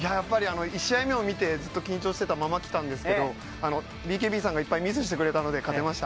１試合目を見てずっと緊張したまま来たんですけどＢＫＢさんがいっぱいミスしてくれたので勝てました。